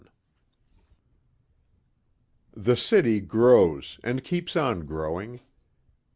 11 The city grows and keeps on growing.